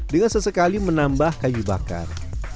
dengan sesekali menambah kayu bakar